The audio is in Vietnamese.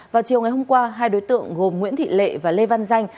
vào chiều ngày hôm qua hai đối tượng gồm nguyễn thị lệ và lê văn danh